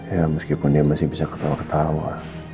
ya meskipun dia masih bisa ketawa ketawa